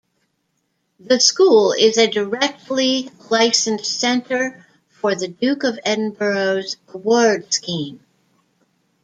The school is a Directly Licensed Centre for the Duke of Edinburgh's Award Scheme.